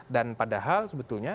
dan padahal sebetulnya